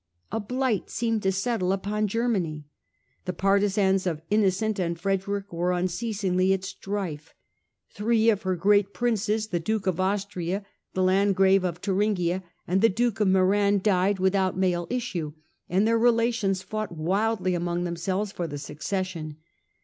A blight seemed to settle upon Germany. The partisans of Innocent and Frederick were unceasingly at strife. Three of her great Princes, 254 STUPOR MUNDI the Duke of Austria, the Landgrave of Thuringia and the Duke of Meran died without male issue and their relations fought wildly amongst themselves for the suc cession.